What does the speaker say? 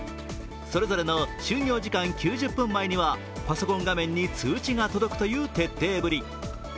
それぞれの終業時間９０分前にはパソコン画面に通知が届くという徹底ぶり。